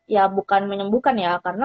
ya bukan menyembuhkan ya karena